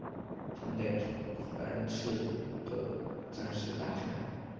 唐代吐蕃赤祖德赞时大臣。